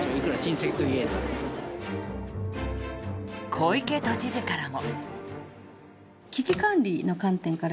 小池都知事からも。